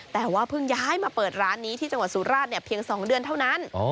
แต่ว่าเพิ่งย้ายมาเปิดร้านนี้ที่จังหวัดสุราชเพียง๒เดือนเท่านั้น